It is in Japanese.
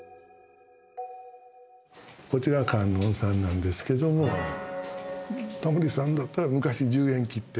こちら観音さんなんですけどもタモリさんだったら昔１０円切手。